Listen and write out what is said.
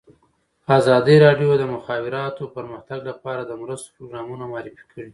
ازادي راډیو د د مخابراتو پرمختګ لپاره د مرستو پروګرامونه معرفي کړي.